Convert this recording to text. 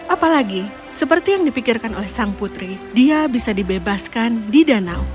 apalagi seperti yang dipikirkan oleh sang putri dia bisa dibebaskan di danau